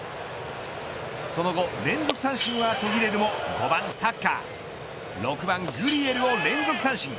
その後、連続三振は途切れるも５番タッカー６番グリエルを連続三振。